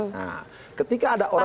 nah ketika ada orang